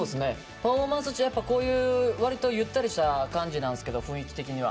パフォーマンス中わりとゆったりしてる感じなんですけど雰囲気的には。